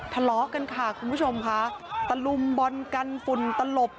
ทะเลาะกันค่ะคุณผู้ชมค่ะตะลุมบอลกันฝุ่นตลบ